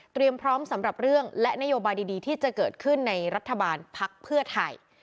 พร้อมสำหรับเรื่องและนโยบายดีที่จะเกิดขึ้นในรัฐบาลภักดิ์เพื่อไทย